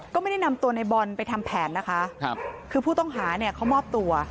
ก็ไม่ได้นำตัวในบอลไปทำแผนนะคะครับคือผู้ต้องหาเนี่ยเขามอบตัว